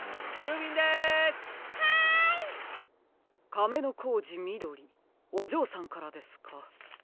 「かめのこうじみどり」おじょうさんからですか。